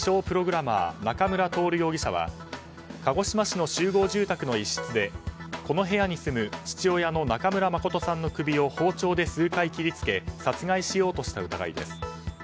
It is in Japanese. プログラマー中村徹容疑者は鹿児島市の集合住宅の一室でこの部屋に住む父親の中村誠さんの首を包丁で数回切りつけ殺害しようとした疑いです。